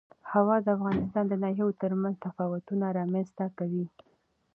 هوا د افغانستان د ناحیو ترمنځ تفاوتونه رامنځ ته کوي.